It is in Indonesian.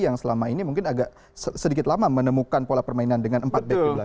yang selama ini mungkin agak sedikit lama menemukan pola permainan dengan empat back di belakang